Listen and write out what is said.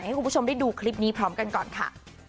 ให้คุณผู้ชมได้ดูคลิปนี้พร้อมกันก่อนค่ะ